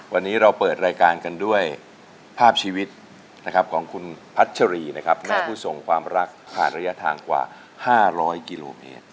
วันนี้เราเปิดรายการกันด้วยภาพชีวิตนะครับของคุณพัชรีนะครับแม่ผู้ส่งความรักขาดระยะทางกว่า๕๐๐กิโลเมตร